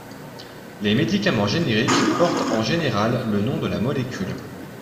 Les médicaments génériques portent en général le nom de la molécule.